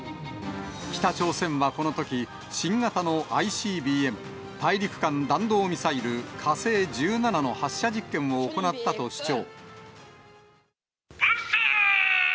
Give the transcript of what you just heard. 北朝鮮はこのとき、新型のＩＣＢＭ・大陸間弾道ミサイル、火星１７の発射実験を行ったと主張。